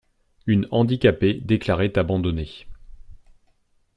Une handicapée déclarait abandonner.